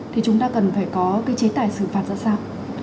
thì chúng ta cần phải có cái chế tài xử phạt